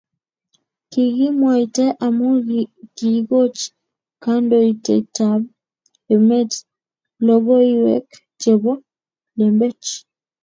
Kikimwaita amu kiikoch kandoitetab emet logoiwek chebo lembech